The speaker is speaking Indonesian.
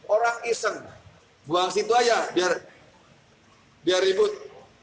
orang iseng buang situ aja biar ribut